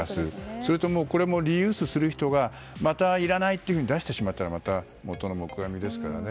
それとリユースする人がまた、いらない！って出してしまったら元の木阿弥ですからね。